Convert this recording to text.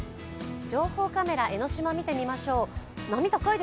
情報カメラ江の島見てみましょう。